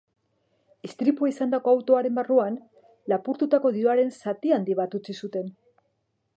Istripua izandako autoaren barruan lapurtutako diruaren zati handi bat utzi zuten.